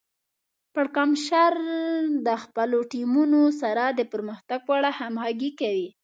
پړکمشر د خپلو ټیمونو سره د پرمختګ په اړه همغږي کوي.